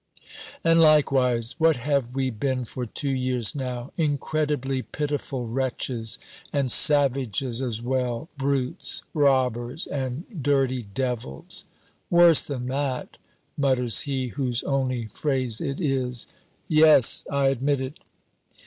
"And likewise, what have we been for two years now? Incredibly pitiful wretches, and savages as well, brutes, robbers, and dirty devils." "Worse than that!" mutters he whose only phrase it is. "Yes, I admit it!"